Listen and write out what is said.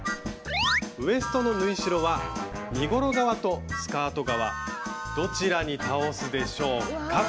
ウエストの縫い代は身ごろ側とスカート側どちらに倒すでしょうか？